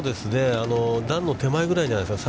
段の手前ぐらいじゃないですか。